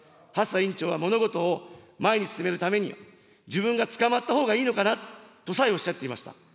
蓮田委員長はものを前に進めるために、自分がつかまったほうがいいのかなとさえおっしゃっていました。